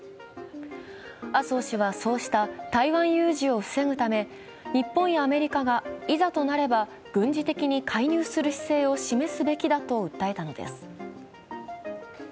麻生氏はそうした台湾有事を防ぐため、日本やアメリカがいざとなれば軍事的に介入する姿勢を示すべきだと訴えたのです。